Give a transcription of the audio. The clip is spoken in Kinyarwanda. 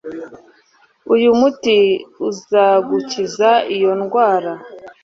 Uyu muti uzagukiza iyo ndwara